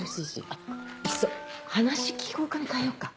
あっいっそ「話聞こう科」に変えようか？